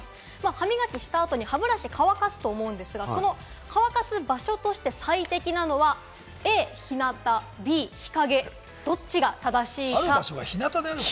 歯磨きした後に歯ブラシ乾かすと思うんですが、その乾かす場所として最適なのはＡ・日なた、Ｂ・日かげ、どっちが正しいか？